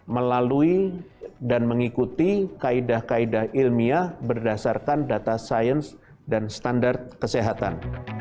melalui dan mengikuti kaedah kaedah ilmiah berdasarkan data sains dan standar kesehatan